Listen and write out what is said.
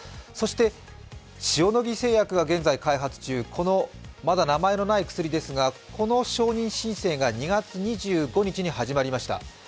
そして塩野義製薬が現在開発中、まだ名前のない薬ですが、この承認申請が２月２５日に始まりました。